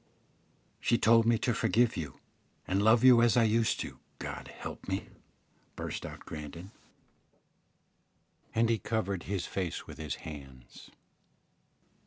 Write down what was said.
"She told me to forgive you, and love you as I used to, God help me!" burst out Grandon, and he covered his face with his hands.